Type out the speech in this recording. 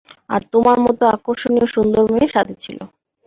আর তোমার মতো আকর্ষণীয় সুন্দর মেয়ে সাথে ছিল।